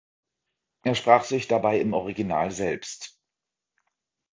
Er sprach sich dabei im Original selbst.